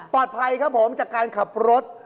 ปลอดภัยกันครับจากการขับรถ